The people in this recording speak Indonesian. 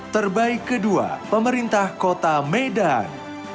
terbaik kedua pemerintah kota medan